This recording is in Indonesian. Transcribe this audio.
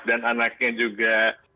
dan anaknya juga